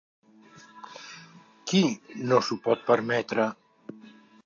Qui, no s'ho pot permetre?